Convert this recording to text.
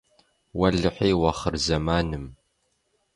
Уэлэхьи, уахъырзэманым!